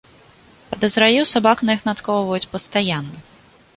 Падазраю, сабак на іх нацкоўваюць пастаянна.